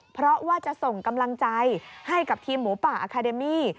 เพราะว่าจะส่งกำลังใจให้กับทีมหมูป่าอาคาเดมี่